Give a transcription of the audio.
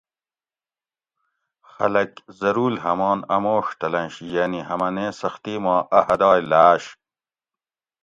خلک زرول ھمان اموڛ تلنش یعنی ھمنیں سختی ما اۤ حدائ لاۤش